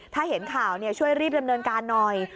ถ้าเห็นข่าวช่วยรีบดำเนินการหน่อย